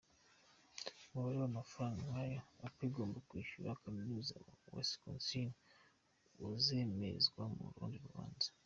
Umubare w’amafaranga nyayo Apple igomba kwishyura Kaminuza ya Wisconsin uzemezwa mu rundi rubanza.